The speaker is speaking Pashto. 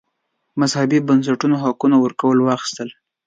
مذهبي بنسټونو حقوق ورکول او اخیستل.